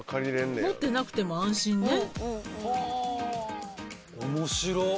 持ってなくても安心ね。